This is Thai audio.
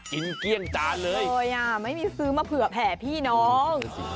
กินเกลี้ยงจานเลยอ่ะไม่มีซื้อมาเผื่อแผ่พี่น้อง